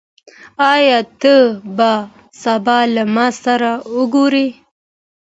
آيا ته به سبا له ما سره وګورې؟